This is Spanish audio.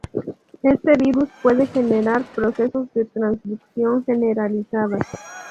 Este virus puede generar procesos de transducción generalizada.